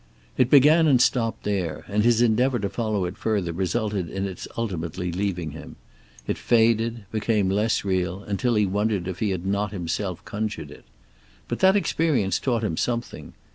It began and stopped there, and his endeavor to follow it further resulted in its ultimately leaving him. It faded, became less real, until he wondered if he had not himself conjured it. But that experience taught him something.